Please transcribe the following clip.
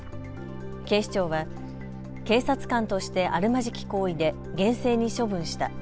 警視庁は警察官としてあるまじき行為で厳正に処分した。